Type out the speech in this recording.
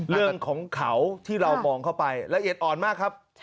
เรื่องของเขาที่เรามองเข้าไปละเอียดอ่อนมากครับ